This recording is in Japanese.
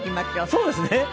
そうですね。